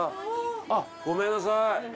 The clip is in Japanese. あっごめんなさい。